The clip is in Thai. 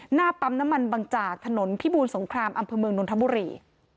หน้าปั๊มน้ำมันบังจากถนนพิบูรสงครามอำเภอเมืองนนทบุรี